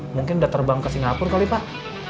mungkin sudah terbang ke singapura kali pak